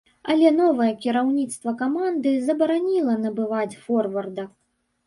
Але новае кіраўніцтва каманды забараніла набываць форварда.